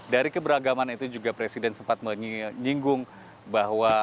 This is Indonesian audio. dari keberagaman itu juga presiden sempat menyinggung bahwa